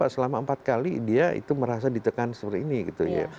selama empat kali dia itu merasa ditekan seperti ini gitu ya